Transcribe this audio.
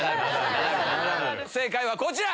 正解はこちら！